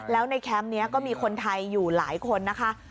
แล้วในแคมป์นี้ก็มีคนไทยอยู่หลายคนนะคะ